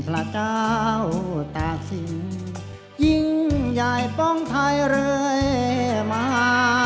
กระเจ้าตากสินยิ่งใยป้องไทยเลยมา